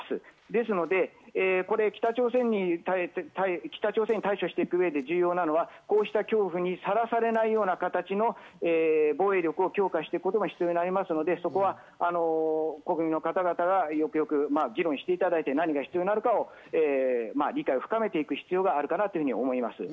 ですので北朝鮮に対処していく上で重要なのは、こうした恐怖にさらされないような形の防衛力を強化していくことが必要になるので、そこは国民の方々がよく議論していただいて、何が必要になるかということが必要になると思います。